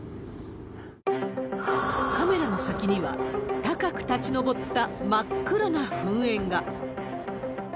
カメラの先には、高く立ち上った真っ黒な噴煙が。